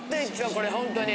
これ本当に。